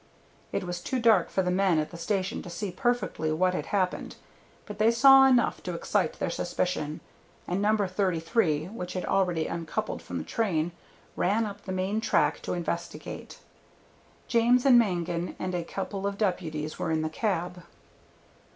It was too dark for the men at the station to see perfectly what had happened, but they saw enough to excite their suspicion, and No. 33, which had already uncoupled from the train, ran up the main track to investigate. James and Mangan and a couple of deputies were in the cab.